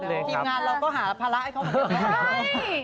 พีมนานเราก็หาพละให้เขาก็เก็บด้วย